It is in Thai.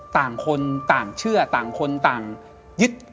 ต่างคนต่างเชื่อต่างคนต่างยึด